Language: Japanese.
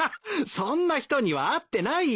そんな人には会ってないよ。